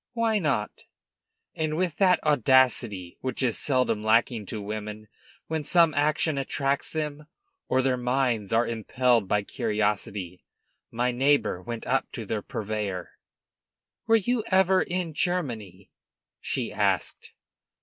"Why not?" And with that audacity which is seldom lacking to women when some action attracts them, or their minds are impelled by curiosity, my neighbor went up to the purveyor. "Were you ever in Germany?" she asked.